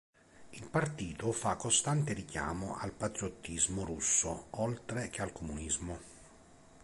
Il partito fa costante richiamo al patriottismo russo, oltre che al comunismo.